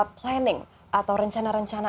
planning atau rencana rencana